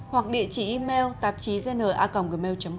hoặc địa chỉ email tapchiznacomgmail com